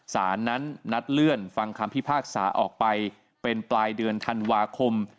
สารนั้นนัดเลื่อนฟังคำพิพากษาออกไปเป็นปลายเดือนธันวาคม